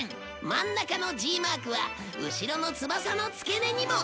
真ん中のＧマークは後ろの翼の付け根にも！